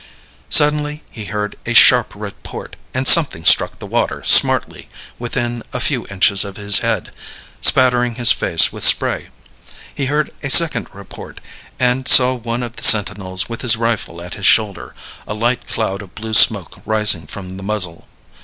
Suddenly he heard a sharp report and something struck the water smartly within a few inches of his head, spattering his face with spray. He heard a second report, and saw one of the sentinels with his rifle at his shoulder, a light cloud of blue smoke rising from the muzzle.